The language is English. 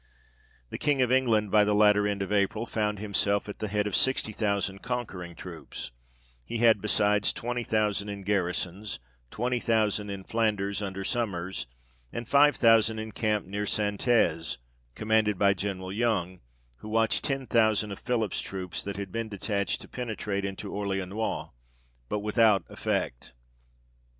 The King of England by the latter end of April, found himself at the head of sixty thousand conquering troops ; he had besides twenty thousand in garrisons, twenty thousand in Flanders under Som mers, and five thousand encamped near Saintes, com manded by General Young, who watched ten thousand of Philip's troops, that had been detached to penetrate into Orleanois, but without effect.